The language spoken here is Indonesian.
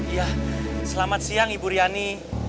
ya selamat siang ibu riani